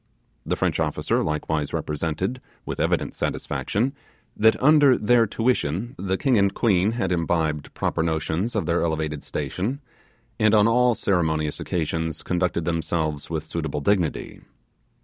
The French officer likewise represented, with evident satisfaction, that under their tuition the king and queen had imbibed proper notions of their elevated station, and on all ceremonious occasions conducted themselves with suitable dignity.